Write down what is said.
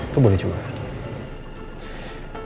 lo boleh jual